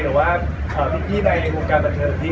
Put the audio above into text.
หรือว่ามีพี่ในโอกาสคาร์มกระทับที่